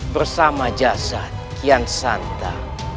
bersama jasad kian santa